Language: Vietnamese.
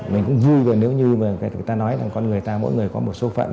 mình cũng vui nếu như người ta nói là con người ta mỗi người có một số phận